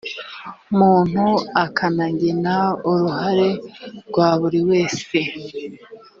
muntu akanagena uruhare rwa buri wese